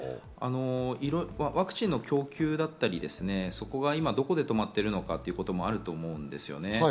この理由は何だと思ワクチンの供給や、そこがどこで止まっているのかということもあると思うんですよね。